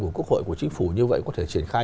của quốc hội của chính phủ như vậy có thể triển khai